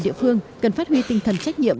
địa phương cần phát huy tinh thần trách nhiệm